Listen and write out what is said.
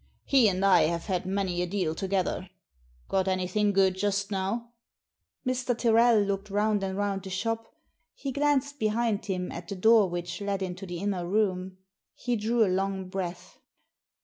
He and I have had many a deal to gether. Grot anything good just now?" Mr. Tyrrel looked round and round the shop. He glanced behind him at the door which led into Digitized by VjOOQIC THE DIAMONDS 197 the inner room. He drew a long breath.